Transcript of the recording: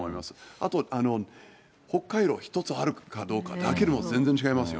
あとホッカイロ１つあるかどうかだけでも全然違いますよ。